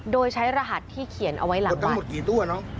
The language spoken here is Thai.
โดยใช้รหัสที่เขียนเอาไว้หลังบัตร